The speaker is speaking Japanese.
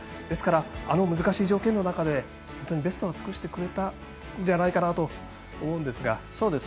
ですから、あの難しい条件の中でベストを尽くしてくれたのではないかなと思うんですが。